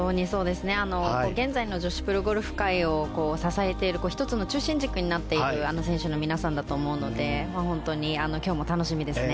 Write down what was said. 現在の女子プロゴルフ界を支えている中心軸になっている選手の皆さんだと思うので本当に今日も楽しみですね。